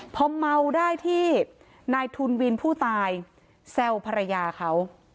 พอเมาได้ที่นายทุนวินผู้ตายแซวภรรยาเขา